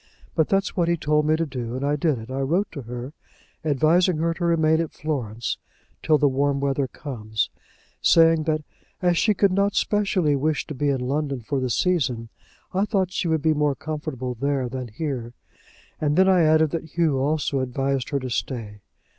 But that's what he told me to do, and I did it. I wrote to her, advising her to remain at Florence till the warm weather comes, saying that as she could not specially wish to be in London for the season, I thought she would be more comfortable there than here; and then I added that Hugh also advised her to stay.